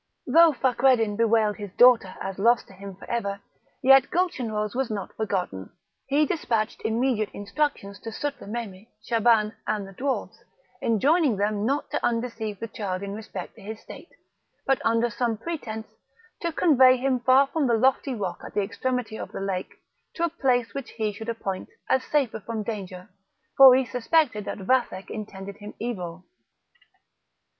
Though Fakreddin bewailed his daughter as lost to him for ever, yet Gulchenrouz was not forgotten. He despatched immediate instruction to Sutlememe, Shaban, and the dwarfs, enjoining them not to undeceive the child in respect to his state, but, under some pretence, to convey him far from the lofty rock at the extremity of the lake, to a place which he should appoint, as safer from danger; for he suspected that Vathek intended him evil.